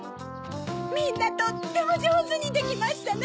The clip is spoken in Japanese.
みんなとってもじょうずにできましたね！